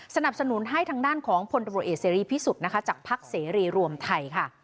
สนับสนุนให้ทางด้านของพลตำรวจเอกเสรีพิสุทธิ์นะคะจากพักเสรีรวมไทยค่ะ